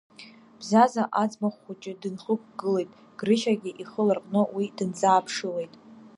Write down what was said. Бзаза аӡмах хәыҷы дынхықәгылеит, Грышьагьы ихы ларҟәны уи дынӡааԥшылеит.